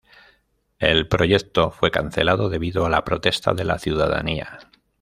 El proyecto fue cancelado debido a la protesta de la ciudadanía.